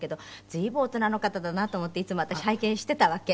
随分大人の方だなと思っていつも私拝見していたわけ。